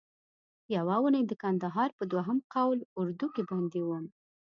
یوه اونۍ د کندهار په دوهم قول اردو کې بندي وم.